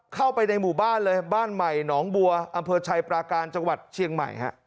เข้าไปในหมู่บ้านเลยบ้านใหม่หนองบัวอำเภอชัยปราการจังหวัดเชียงใหม่ฮะ